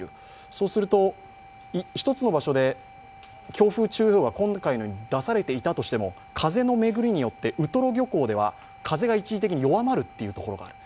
そうすると、一つの場所で強風注意報が今回のように出されていたとしても風の巡りによってウトロ漁港では、風が一時的に弱まるというところがある。